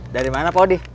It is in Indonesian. dari mana pak odi